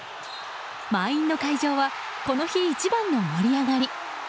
満員の会場はこの日一番の盛り上がり。